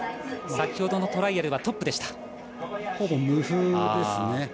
先ほどのトライアルはほぼ無風ですね。